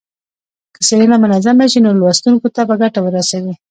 که څېړنه منظمه شي نو لوستونکو ته به ګټه ورسوي.